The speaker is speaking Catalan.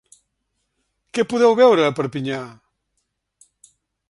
Què podeu veure a Perpinyà?